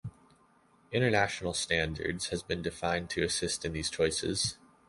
International standards has been defined to assist in these choices.